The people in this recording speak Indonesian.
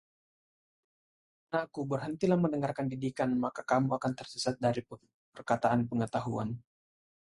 Anakku, berhentilah mendengarkan didikan, maka kamu akan tersesat dari perkataan pengetahuan.